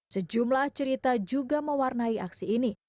sejumlah cerita juga mewarnai aksi ini